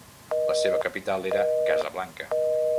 La seva capital era Casablanca.